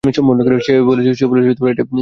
সে বলেছিল, এটা তাদেরই দোষ!